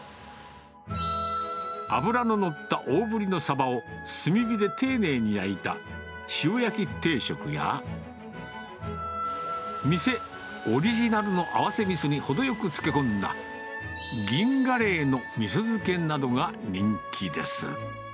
脂の乗った大ぶりのサバを、炭火で丁寧に焼いた、塩焼き定食や、店オリジナルの合わせみそに程よく漬け込んだ、銀ガレイの味噌漬けなどが人気です。